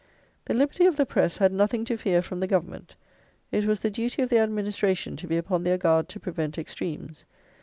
"The liberty of the press had nothing to fear from the Government. It was the duty of the administration to be upon their guard to prevent extremes.